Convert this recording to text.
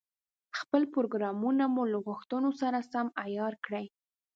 خپل پروګرامونه له غوښتنو سره سم عیار کړي.